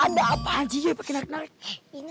ada apaan sih ya pake narik narik